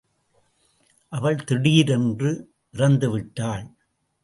அவள் திடீரென்று இறந்து விட்டாள்.